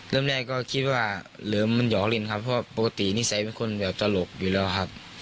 เริ่มแรกก็คิดว่าเหลือมันหยอกลินครับเพราะปกตินิสัยเป็นคนแบบตลกอยู่แล้วครับ